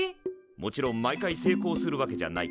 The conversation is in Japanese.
もちろん毎回成功するわけじゃないけど。